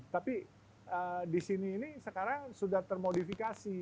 tapi di sini ini sekarang sudah termodifikasi